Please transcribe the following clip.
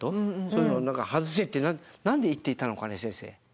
そういうのを外せってなんで言っていたのかね先生。